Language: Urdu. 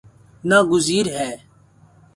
نا گزیر ہے